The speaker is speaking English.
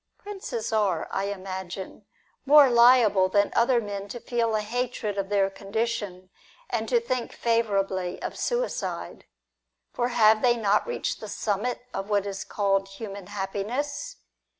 Princes are, I imagine, more liable than other men to feel a hatred of their condition, and to think favourably of suicide. For have they not reached the summit of what is called human happiness